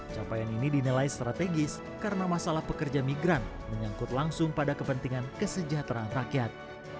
capaian ini dinilai strategis karena masalah pekerja migran menyangkut langsung pada kepentingan kesejahteraan rakyat